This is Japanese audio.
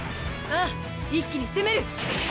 ああ一気にせめる！